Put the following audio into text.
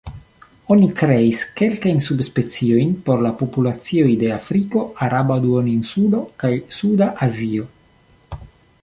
Oni kreis kelkajn subspeciojn por la populacioj de Afriko, Araba Duoninsulo kaj Suda Azio.